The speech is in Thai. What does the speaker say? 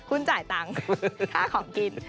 คุณจ่ายตังค์หาของกิน